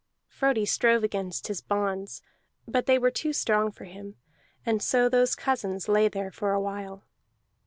Frodi strove against his bonds, but they were too strong for him; and so those cousins lay there for a while.